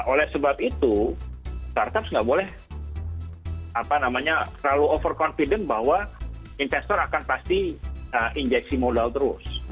oleh sebab itu start ups tidak boleh terlalu overconfident bahwa investor akan pasti injeksi modal terus